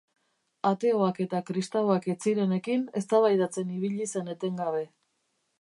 Ateoak eta kristauak ez zirenekin eztabaidatzen ibili zen etengabe.